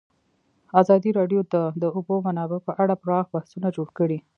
ازادي راډیو د د اوبو منابع په اړه پراخ بحثونه جوړ کړي.